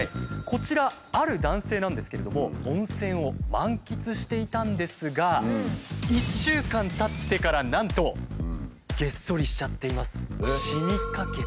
こちらある男性なんですけれども温泉を満喫していたんですが１週間たってからなんとげっそりしちゃっています。